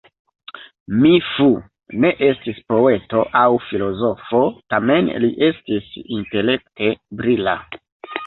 Mi Fu ne estis poeto aŭ filozofo, tamen li estis intelekte brila.